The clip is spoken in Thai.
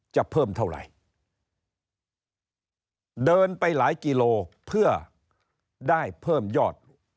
จะเพิ่มเท่าไหร่เดินไปหลายกิโลเพื่อได้เพิ่มยอด